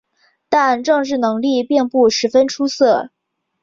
但政治能力并不十分出色。